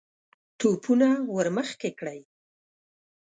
توپونه ور مخکې کړئ!